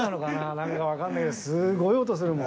何か分かんないけど。